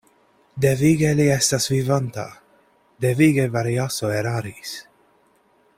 Devige li estas vivanta; devige Variaso eraris.